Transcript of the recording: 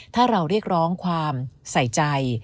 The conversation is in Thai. ถ้าเราเรียกร้องความใส่ใจ